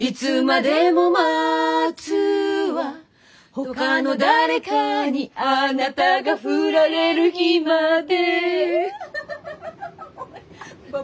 「他の誰かにあなたがふられる日まで」